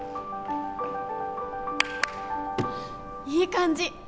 いい感じ。